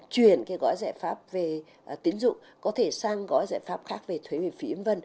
chuyển gói giải pháp về tín dụng có thể sang gói giải pháp khác về thuế phí v v